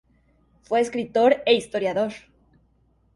Fue escritor e historiador.